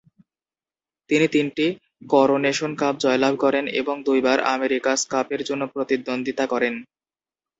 তিনি তিনটি coronation cup জয়লাভ করেন এবং দুইবার আমেরিকাস কাপের জন্য প্রতিদ্বন্দ্বিতা করেন।